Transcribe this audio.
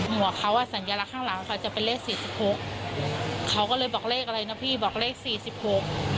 หัวเขาสัญญาณะข้างหลังเขาจะเป็นเลข๔๖เขาก็เลยบอกเลขอะไรนะพี่บอกเลข๔๖